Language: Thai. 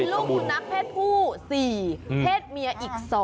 ลูกสุนัขเพศผู้๔เพศเมียอีก๒